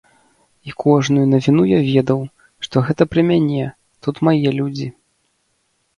І кожную навіну я ведаў, што гэта пра мяне, тут мае людзі.